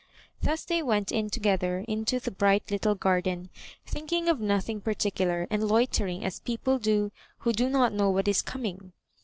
Thus they went in together into the bright little garden, thinking of nothing particular, and loitering as people do who do not know what is ooming.